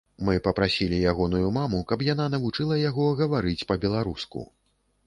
Мы папрасілі ягоную маму, каб яна навучыла яго гаварыць па-беларуску.